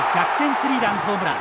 スリーランホームラン。